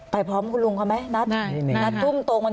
ไปพร้อมคุณลุงให้มั้ยนัด